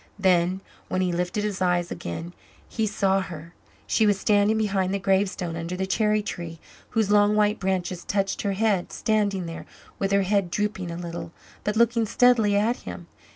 Then, when he lifted his eyes again, he saw her! She was standing behind the gravestone, under the cherry tree, whose long white branches touched her head; standing there, with her head drooping a little, but looking steadily at him.